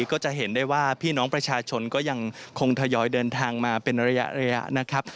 ก็จะเห็นได้ว่าพี่น้องประชาชนก็ยังคงทยอยเดินทางมาเป็นระยะนะครับ